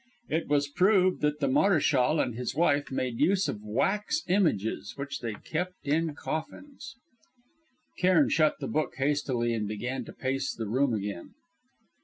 It was proved that the Maréchal and his wife made use of wax images, which they kept in coffins...." Cairn shut the book hastily and began to pace the room again.